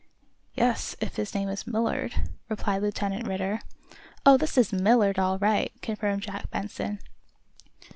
"Yes, if his name is Millard," replied Lieutenant Ridder. "Oh, this is Millard, all right," confirmed Jack Benson.